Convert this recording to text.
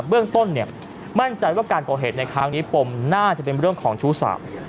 เบื้องต้นมั่นใจว่าการก่อเหตุในครั้งนี้ปมน่าจะเป็นเรื่องของชู้สาว